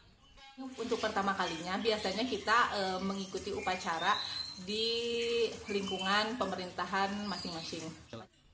untuk pertama kalinya biasanya kita mengikuti upacara di lingkungan pemerintahan masing masing